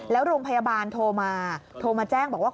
แล้วโรงพยาบาลโทรมาโทรมาแจ้งบอกว่า